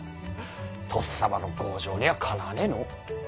とっさまの剛情にはかなわねぇのう。